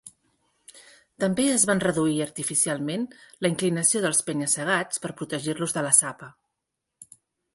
També es va reduir artificialment la inclinació dels penya-segats per protegir-los de la sapa.